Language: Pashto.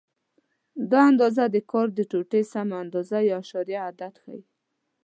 دا اندازه د کار د ټوټې سمه اندازه یا اعشاریه عدد ښیي.